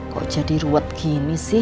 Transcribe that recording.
kok jadi ruwet gini sih